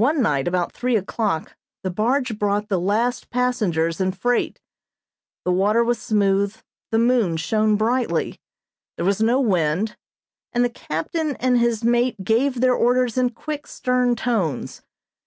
One night about three o'clock the barge brought the last passengers and freight. The water was smooth, the moon shone brightly, there was no wind, and the captain and his mate gave their orders in quick, stern tones.